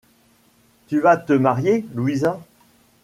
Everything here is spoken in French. Tu vas te marier, Louisa.